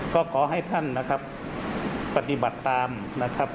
ก็ขอให้ท่านนะครับปฏิบัติตามนะครับ